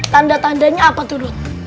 tanda tandanya apa dudut